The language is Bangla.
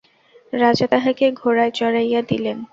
রাজা তাহাকে ঘোড়ায় চড়াইয়া দিলেন।